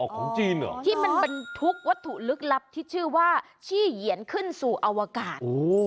ของจีนเหรอที่มันบรรทุกวัตถุลึกลับที่ชื่อว่าชี่เหยียนขึ้นสู่อวกาศ